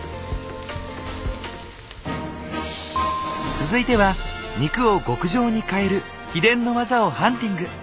続いては肉を極上に変える秘伝の技をハンティング！